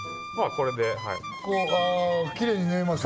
これできれいに縫えますよ